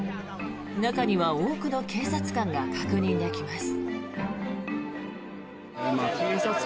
中には多くの警察官が確認できます。